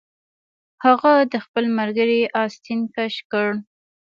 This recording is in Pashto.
هغه د خپل ملګري آستین کش کړ